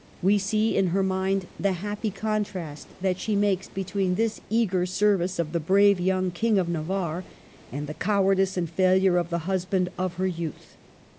We see in her mind the happy con trast that she makes between this eager service of the brave young King of Navarre and the cowardice and failure of the husband of her youth.